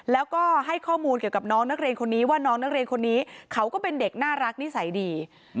แล้วก็ให้ข้อมูลเกี่ยวกับน้องนักเรียนคนนี้ว่าน้องนักเรียนคนนี้เขาก็เป็นเด็กน่ารักนิสัยดี